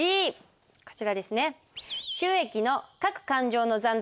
こちらですね。